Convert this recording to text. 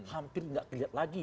hampir tidak kelihatan lagi